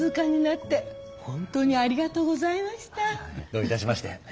どういたしまして。